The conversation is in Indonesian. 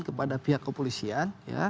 kepada pihak kepolisian